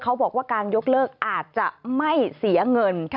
เขาบอกว่าการยกเลิกอาจจะไม่เสียเงิน